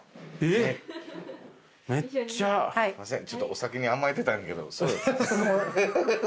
ちょっとお先に甘えてたんやけど。